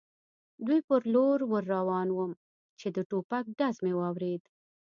دوی پر لور ور روان ووم، چې د ټوپک ډز مې واورېد.